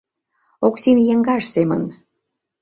Оксин еҥгаж семын...